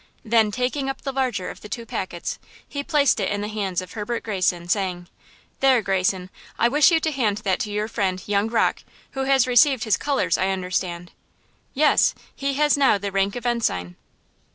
Then taking up the larger of the two packets, he placed it in the hands of Herbert Greyson, saying: "There, Greyson, I wish you to hand that to your friend, young Rocke, who has received his colors, I understand?" "Yes, he has now the rank of ensign."